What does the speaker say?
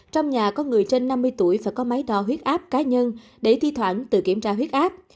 trong nhà có người trên năm mươi tuổi phải có máy đo huyết áp cá nhân để thi thoảng tự kiểm tra huyết áp